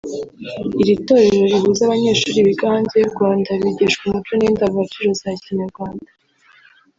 Iri torero rihuza abanyeshuri biga hanze y’u Rwanda bigishwa umuco n’indangagaciro za Kinyarwanda